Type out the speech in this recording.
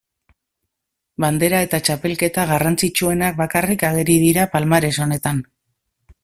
Bandera eta Txapelketa garrantzitsuenak bakarrik ageri dira palmares honetan.